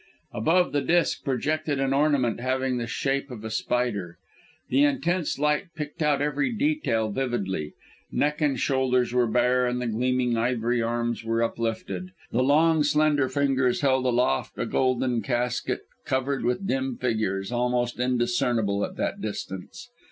Above the disk projected an ornament having the shape of a spider. The intense light picked out every detail vividly. Neck and shoulders were bare and the gleaming ivory arms were uplifted the long slender fingers held aloft a golden casket covered with dim figures, almost undiscernible at that distance.